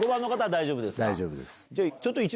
大丈夫です。